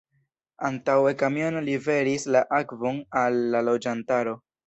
Antaŭe kamiono liveris la akvon al la loĝantaro.